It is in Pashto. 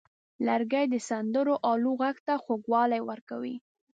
لرګی د سندرو آلو غږ ته خوږوالی ورکوي.